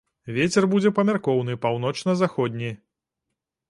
Вецер будзе памяркоўны паўночна-заходні.